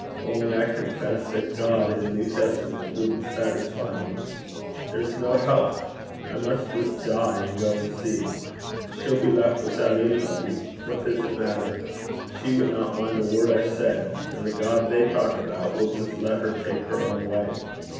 Only I confess that God in the New Testament wouldn't satisfy me. There's no help. I must just die, and go and see. She'll be left without anybody. 'What does it matter? She would not mind a word I said. And the God they talk about will just let her take her own way.